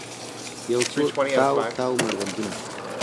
یوڅو تاو، تاو مړوندونه